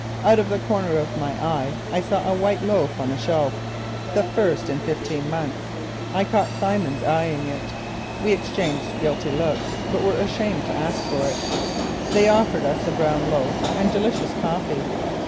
Out of the corner of my eye I saw a white loaf on the shelf, the first in fifteen months. I caught Simmons eyeing it. We exchanged guilty looks but were ashamed to ask for it. They offered us the brown loaf and delicious coffee.